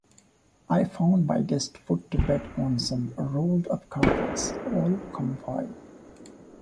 I found my guest put to bed on some rolled-up carpets, all comfy.